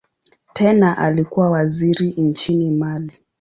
Tena alikuwa waziri nchini Mali.